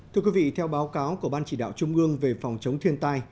thưa quý vị theo báo cáo của ban chỉ đạo trung ương về phòng chống thiên tai